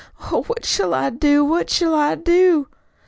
Oh, what shall I do? What shall I do?"